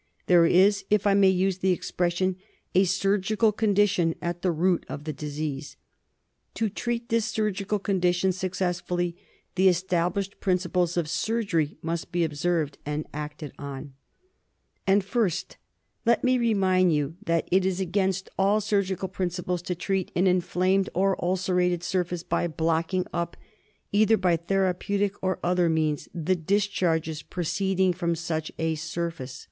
There is, if I may use the expression, a surgical condition at the root of the disease. To treat this surgical condition suc cessfully, the established principles of surgery must be observed and acted on. DYSENTERY, 20I And, first, let me remind you that it is against all sur gical principles to treat an inflamed or ulcerated surface by blocking up, either by therapeutic or other means, the discharges proceeding from such a surface.